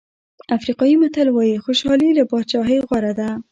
افریقایي متل وایي خوشالي له بادشاهۍ غوره ده.